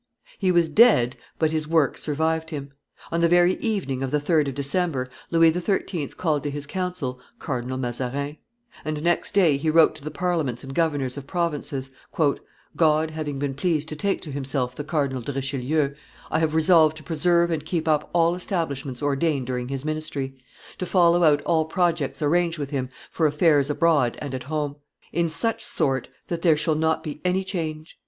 He was dead, but his work survived him. On the very evening of the 3d of December, Louis XIII. called to his council Cardinal Mazarin; and next day he wrote to the Parliaments and governors of provinces, "God having been pleased to take to himself the Cardinal de Richelieu, I have resolved to preserve and keep up all establishments ordained during his ministry, to follow out all projects arranged with him for affairs abroad and at home, in such sort that there shall not be any change.